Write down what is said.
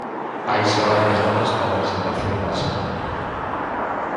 Hai xa varias datas para a presentación da axenda.